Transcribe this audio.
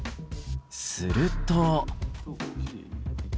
すると。